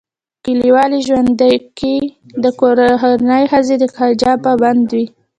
کلیوالي ژوندکي دکورنۍښځي دحجاب پابند وي